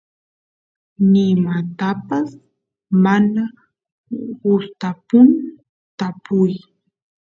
nimatapas mana gustapun tapuy